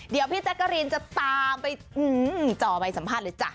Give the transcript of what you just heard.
เดี๋ยวพี่แจ๊กกะรีนจะตามไปจ่อไปสัมภาษณ์เลยจ้ะ